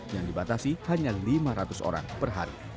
yang dibatasi hanya lima ratus orang per hari